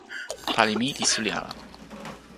pali mi li suli ala.